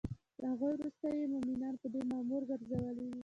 له هغوی وروسته یی مومنان په دی مامور ګرځولی دی